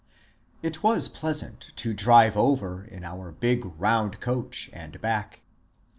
It was pleasant to drive over in our big round coach and back.